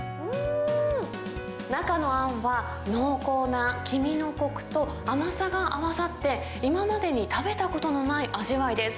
うーん、中のあんは濃厚な黄身のこくと、甘さが合わさって、今までに食べたことのない味わいです。